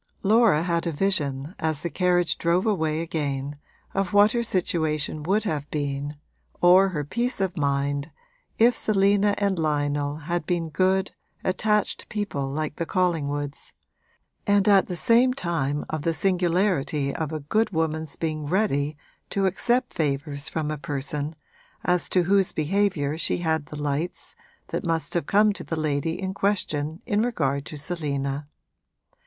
Laura had a vision, as the carriage drove away again, of what her situation would have been, or her peace of mind, if Selina and Lionel had been good, attached people like the Collingwoods, and at the same time of the singularity of a good woman's being ready to accept favours from a person as to whose behaviour she had the lights that must have come to the lady in question in regard to Selina.